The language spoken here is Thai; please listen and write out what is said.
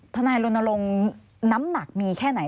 ทนายรณรงค์น้ำหนักมีแค่ไหน